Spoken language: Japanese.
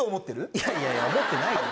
いやいやいや思ってないから。